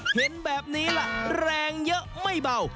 เห็นแบบนี้ล่ะแรงเยอะไม่เบา